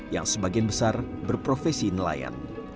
yang sebagian besar berprofesi nelayan